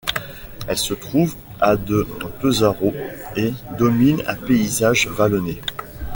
Elle se trouve à de Pesaro et domine un paysage vallonné.